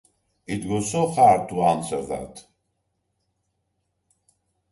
It was so hard to answer that!